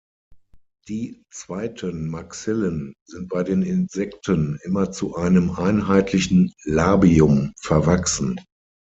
Die zweiten Maxillen sind bei den Insekten immer zu einem einheitlichen Labium verwachsen.